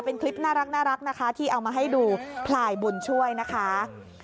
เป็นคลิปน่ารักนะคะที่เอามาให้ดูพลายบุญช่วยนะคะ